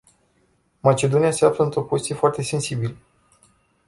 Macedonia se află într-o poziție foarte sensibilă.